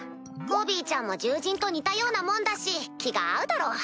コビーちゃんも獣人と似たようなもんだし気が合うだろう。